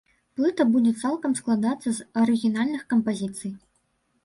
Плыта будзе цалкам складацца з арыгінальных кампазіцый.